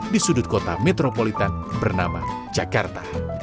di sudut kota metropolitan bernama jakarta